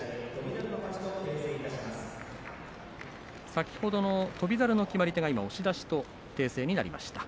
先ほど、翔猿の決まり手が押し出しと訂正になりました。